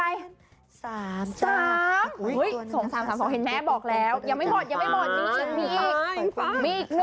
ยังไม่หมดยังไม่หมด